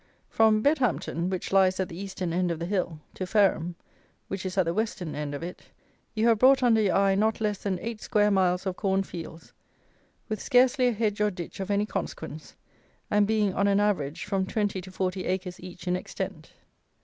From Bedhampton, which lies at the Eastern end of the hill, to Fareham, which is at the Western end of it, you have brought under your eye not less than eight square miles of corn fields, with scarcely a hedge or ditch of any consequence, and being, on an average, from twenty to forty acres each in extent.